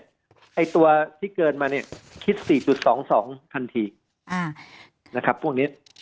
ไอ้ตัวที่เกินมาเนี่ยคิด๔๒๒ทันทีนะครับพวกนี้